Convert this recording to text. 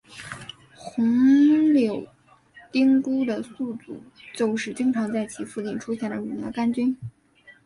红铆钉菇的宿主就是经常在其附近出现的乳牛肝菌。